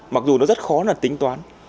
mặc dù nó rất khó là tính toán